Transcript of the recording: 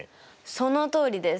そのとおりです。